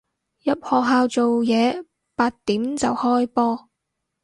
入學校做嘢，八點就開波